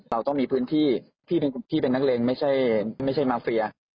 เราต้องมีพื้นที่พี่เป็นนักเลงไม่ใช่มาเฟีย